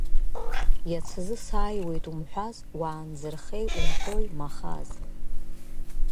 Иацазы саауеит умҳәаз, уаанзырхеи умҳәои, Махаз?